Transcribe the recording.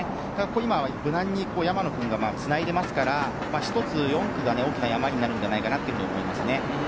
今、無難に山野君がつないでいますから１つ、４区が大きな山になるのではと思います。